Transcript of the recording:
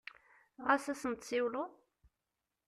Ɣas ad sen-tsiwleḍ?